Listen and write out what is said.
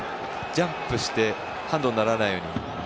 ジャンプしてハンドにならないように。